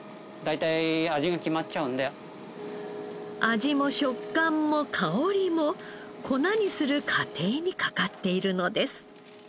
味も食感も香りも粉にする過程にかかっているのです。